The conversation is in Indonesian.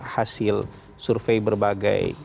hasil survei berbagai